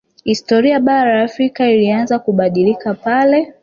Historia ya bara la Afrika ilianza kubadilika pale